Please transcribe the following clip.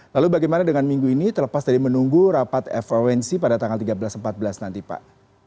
lalu bagaimana dengan minggu ini terlepas dari menunggu rapat evoensi pada tanggal tiga belas empat belas nanti pak